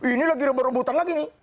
ini lagi berobotan lagi nih